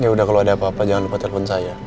yaudah kalau ada apa apa jangan lupa telepon saya